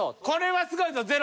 これはすごいぞ。